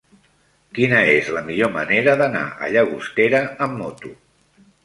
Quina és la millor manera d'anar a Llagostera amb moto?